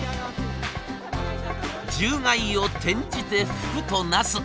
獣害を転じて福となす。